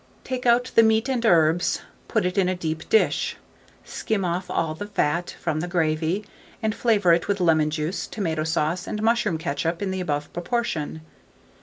Take out the meat and herbs, put it in a deep dish, skim off all the fat from the gravy, and flavour it with lemon juice, tomato sauce, and mushroom ketchup in the above proportion.